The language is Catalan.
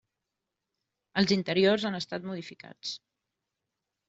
Els interiors han estat modificats.